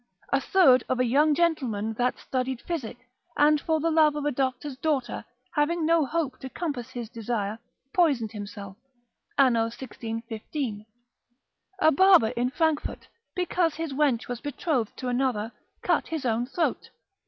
1. a third of a young gentleman that studied physic, and for the love of a doctor's daughter, having no hope to compass his desire, poisoned himself, anno 1615. A barber in Frankfort, because his wench was betrothed to another, cut his own throat.